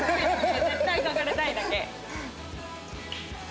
絶対書かれたいだけ。